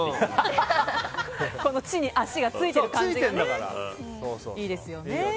この地に足がついている感じがいいですよね。